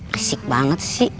risik banget sih